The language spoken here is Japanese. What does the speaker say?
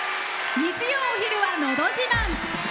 日曜お昼は「のど自慢」。